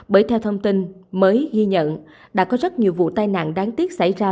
bởi theo thông tin mới ghi nhận đã có rất nhiều vụ tai nạn đáng tiếc xảy ra